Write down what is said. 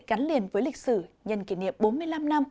gắn liền với lịch sử nhân kỷ niệm bốn mươi năm năm